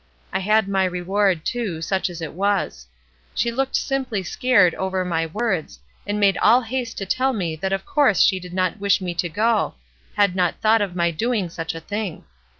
I had my reward, too, such as it was. She looked simply scared over my words, and made all haste to tell me that of course she did not wish me to go; had not thought of my doing such a thing.